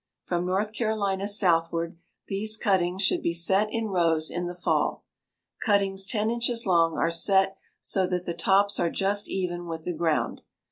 From North Carolina southward these cuttings should be set in rows in the fall. Cuttings ten inches long are set so that the tops are just even with the ground.